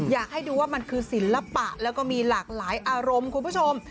อยากให้ดูว่ามันคือศิลปะแล้วก็มีหลากหลายอารมณ์คุณผู้ชม